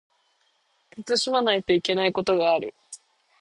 慎まないといけないことがある